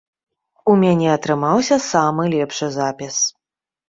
У мяне атрымаўся самы лепшы запіс.